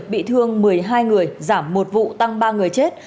bị thương một mươi hai người giảm một vụ tăng ba người chết